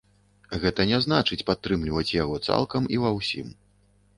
Гэта не значыць падтрымліваць яго цалкам і ва ўсім.